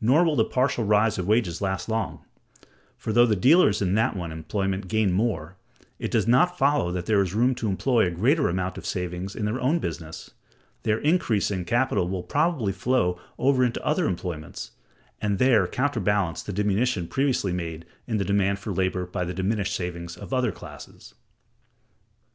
Nor will the partial rise of wages last long: for, though the dealers in that one employment gain more, it does not follow that there is room to employ a greater amount of savings in their own business: their increasing capital will probably flow over into other employments, and there counterbalance the diminution previously made in the demand for labor by the diminished savings of other classes.